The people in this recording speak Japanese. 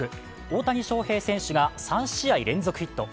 大谷翔平選手が３試合連続ヒット。